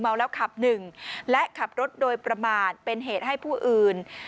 เมาแล้วขับหนึ่งและขับรถโดยประมาทเป็นเหตุให้ผู้อื่น